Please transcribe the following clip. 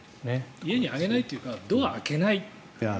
家に上げないというかドアを開けない。